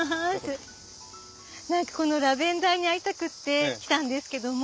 このラベンダーに合いたくて来たんですけども。